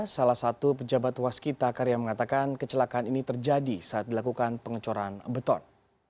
salah satu pejabat waskita karya mengatakan kecelakaan ini terjadi saat dilakukan pengecoran beton